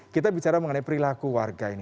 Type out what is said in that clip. kita bicara mengenai perilaku warga ini